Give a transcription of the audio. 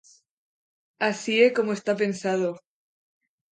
Así é como está pensado.